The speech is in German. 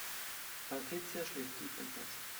Patricia schläft tief und fest.